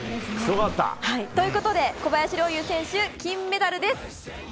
すごかった！ということで、小林陵侑選手金メダルです！